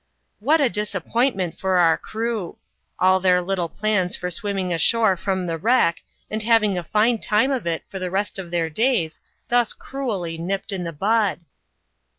What a disappointment for our crew ! All their little plans for swimming ashore from the wreck, and having a fine time of it for the rest of their days, thus cruelly nipt in the bud.